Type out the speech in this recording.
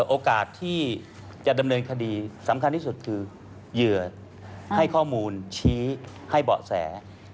โอกาสที่จะดำเนินคดีสำคัญที่สุดคือเหยื่อให้ข้อมูลชี้ให้เบาะแส